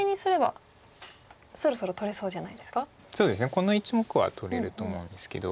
この１目は取れると思うんですけど。